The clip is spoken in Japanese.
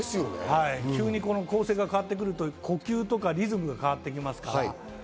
急に構成が変わってくると呼吸やリズムが変わってきますから。